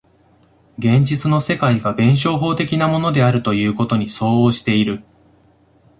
現実の世界が弁証法的なものであるということに相応している。